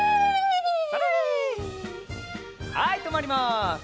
はいとまります。